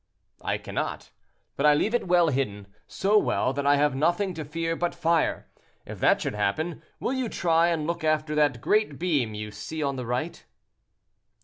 "I cannot; but I leave it well hidden—so well, that I have nothing to fear but fire. If that should happen, will you try and look after that great beam you see on the right."